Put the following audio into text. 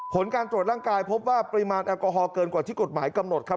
ผลการตรวจร่างกายพบว่าปริมาณแอลกอฮอลเกินกว่าที่กฎหมายกำหนดครับ